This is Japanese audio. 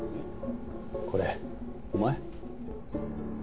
これお前？